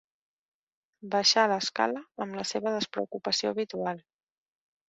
Baixà l'escala amb la seva despreocupació habitual